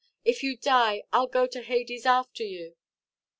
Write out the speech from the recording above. If you die, Iʼll go to [Hades] after you."